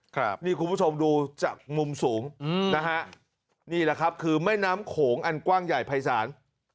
ครับนี่คุณผู้ชมดูจากมุมสูงอืมนะฮะนี่แหละครับคือแม่น้ำโขงอันกว้างใหญ่ภายศาล